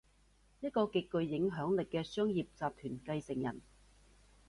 一個極具影響力嘅商業集團繼承人